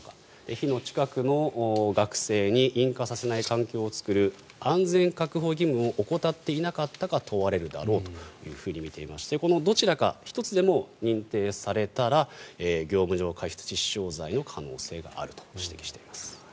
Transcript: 火の近くの学生に引火させない環境を作る安全確保義務を怠っていなかったか問われるだろうとみていましてこのどちらか１つでも認定されたら業務上過失致死傷罪の可能性があると指摘しています。